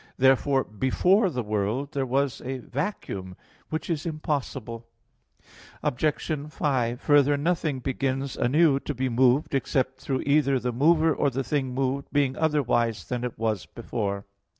Therefore before the world there was a vacuum; which is impossible. Obj. 5: Further, nothing begins anew to be moved except through either the mover or the thing moved being otherwise than it was before.